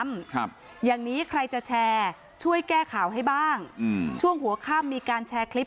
ครับอย่างนี้ใครจะแชร์ช่วยแก้ข่าวให้บ้างอืมช่วงหัวข้ามมีการแชร์คลิป